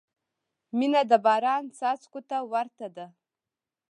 • مینه د باران څاڅکو ته ورته ده.